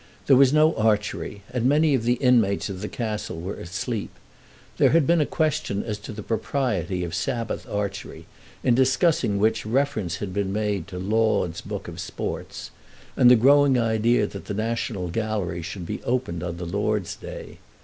There was no archery, and many of the inmates of the Castle were asleep. There had been a question as to the propriety of Sabbath archery, in discussing which reference had been made to Laud's book of sports, and the growing idea that the National Gallery should be opened on the Lord's day.